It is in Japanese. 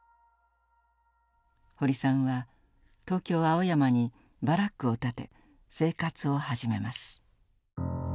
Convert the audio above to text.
堀さんは東京・青山にバラックを建て生活を始めます。